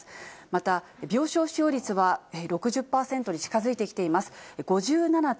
また、病床使用率は６０％に近づいてきています。